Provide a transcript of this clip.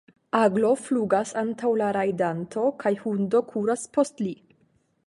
Aglo flugas antaŭ la rajdanto kaj hundo kuras post li.